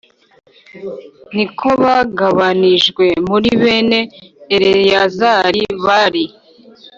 ni ko bagabanijwe muri bene Eleyazari bari